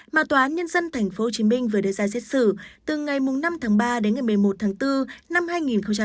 mà tòa án nhân dân tp hcm vừa đưa ra xét xử từ ngày năm tháng ba đến ngày một mươi một tháng bốn năm hai nghìn bốn